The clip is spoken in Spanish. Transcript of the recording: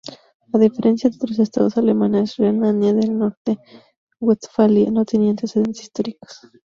A diferencia de otros estados alemanes, Renania del Norte-Westfalia no tenía antecedentes históricos.